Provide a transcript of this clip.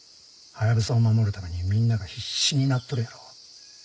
ハヤブサを守るためにみんなが必死になっとるやろ。